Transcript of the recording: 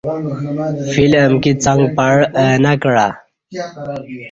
فیل امکی څݣ پعہ اہ انہ کعہ